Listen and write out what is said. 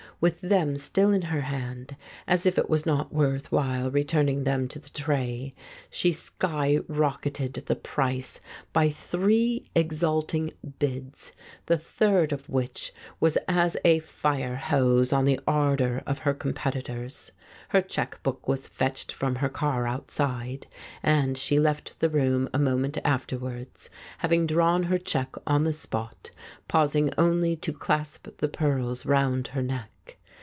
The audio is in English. With them still in her hand, as if it was not worth while returning them to the tray, she sky rocketed the price by three exalting bids, the third of which was as a fire hose on the ardour of her competitors. Her cheque book was fetched from her car outside, and she left the room a moment after wards, having drawn her cheque on the spot, pausing only to clasp the pearls round her neck.